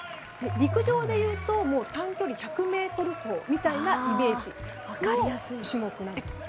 陸上でいうと短距離１００ｍ走みたいなイメージの種目なんですって。